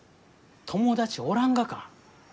友達おらんがか？